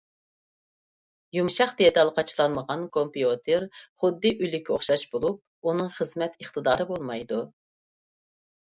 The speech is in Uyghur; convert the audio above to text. يۇمشاق دېتال قاچىلانمىغان كومپيۇتېر خۇددى ئۆلۈككە ئوخشاش بولۇپ، ئۇنىڭ خىزمەت ئىقتىدارى بولمايدۇ.